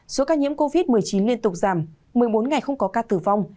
số ca nhiễm covid một mươi chín liên tục giảm một mươi bốn ngày không có ca tử vong